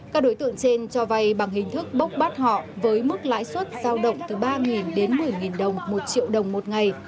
các đối tượng trên cho vay bằng hình thức bốc bắt họ với mức lãi suất giao động từ ba đến một mươi đồng một triệu đồng một ngày